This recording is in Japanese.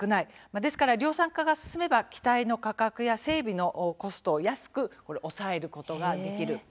ですから量産化が進めば機体の価格や整備のコストを安く抑えることができる。